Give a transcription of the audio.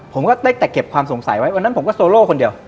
ผมก็ได้แต่เก็บความสงสัยไว้วันนั้นผมก็โซโล่คนเดียว